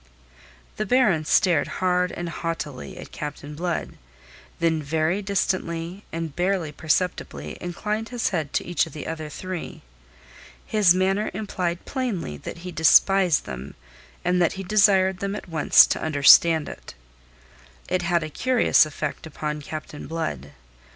The Baron stared hard and haughtily at Captain Blood, then very distantly and barely perceptibly inclined his head to each of the other three. His manner implied plainly that he despised them and that he desired them at once to understand it. It had a curious effect upon Captain Blood.